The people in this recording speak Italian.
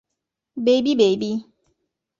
Baby Baby